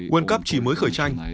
world cup chỉ mới khởi tranh